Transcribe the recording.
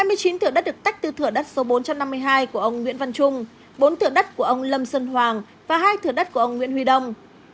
hai mươi chín thửa đất được tách tưa đất số bốn trăm năm mươi hai của ông nguyễn văn trung bốn thửa đất của ông lâm sơn hoàng và hai thửa đất của ông nguyễn huy đông